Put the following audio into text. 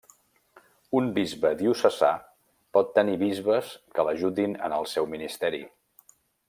Un bisbe diocesà pot tenir bisbes que l'ajudin en el seu ministeri.